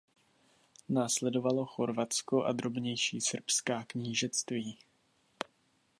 Následovalo Chorvatsko a drobnější srbská knížectví.